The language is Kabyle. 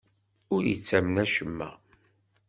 Ur ittamen acemma.